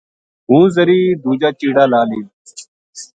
ہوں زری دُوجا چِڑا لا لیوں “